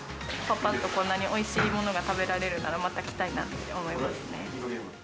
ぱぱっと、こんなにおいしいものが食べられるなら、また来たいなというふうに思いますね。